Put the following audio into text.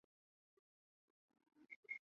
应天府乡试第四十一名。